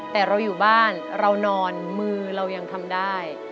แต่เราอยู่บ้านเรานอนมือเรายังทำได้